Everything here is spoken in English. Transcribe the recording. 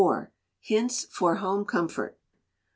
Hints for Home Comfort.